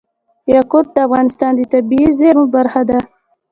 یاقوت د افغانستان د طبیعي زیرمو برخه ده.